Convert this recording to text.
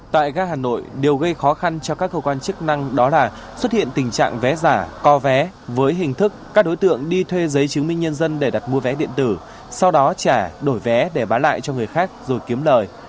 tại ga hà nội điều gây khó khăn cho các cơ quan chức năng đó là xuất hiện tình trạng vé giả co vé với hình thức các đối tượng đi thuê giấy chứng minh nhân dân để đặt mua vé điện tử sau đó trả đổi vé để bán lại cho người khác rồi kiếm lời